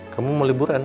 kamu mau liburan